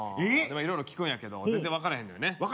色々聞くんやけど全然分からへんのよね